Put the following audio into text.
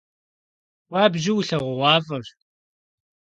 Хуабжьу улъэгъугъуафӏэщ.